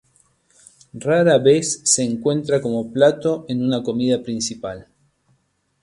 Rara vez se encuentra como plato en una comida principal.